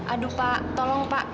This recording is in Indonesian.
aduh pak tolong pak